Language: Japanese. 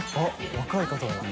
若い方が。